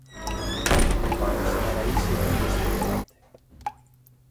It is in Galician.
Van estar aí seguindo este debate.